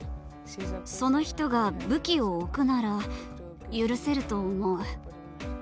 その人が武器を置くなら許せると思う。